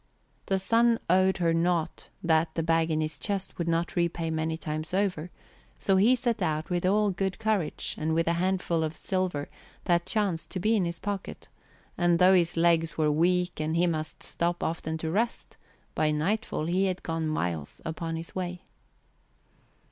The son owed her nought that the bag in his chest would not repay many times over, so he set out with all good courage and with the handful of silver that chanced to be in his pocket and, though his legs were weak and he must stop often to rest, by nightfall he had gone miles upon his way.